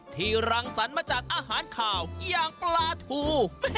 รังสรรค์มาจากอาหารขาวอย่างปลาทู